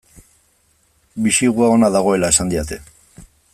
Bisigua ona dagoela esan didate.